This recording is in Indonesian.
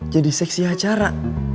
jadi seksi acara